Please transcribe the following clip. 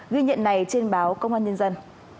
ghi nhận này trên báo công an nhân dân